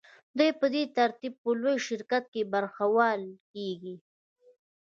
دوی په دې ترتیب په لوی شرکت کې برخوال کېږي